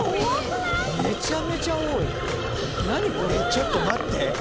ちょっと待って。